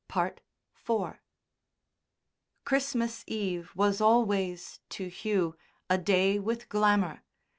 IV Christmas Eve was always, to Hugh, a day with glamour.